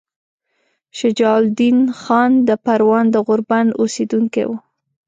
شجاع الدین خان د پروان د غوربند اوسیدونکی وو.